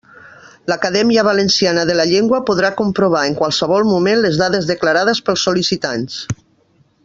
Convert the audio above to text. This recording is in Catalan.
L'Acadèmia Valenciana de la Llengua podrà comprovar en qualsevol moment les dades declarades pels sol·licitants.